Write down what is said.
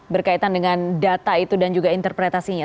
berkaitan dengan data itu dan juga interpretasinya